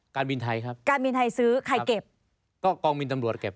การบินไทยซื้อใครเก็บ